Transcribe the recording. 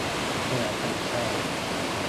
เผื่อถูกใจ